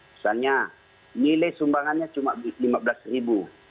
misalnya nilai sumbangannya cuma lima belas ribu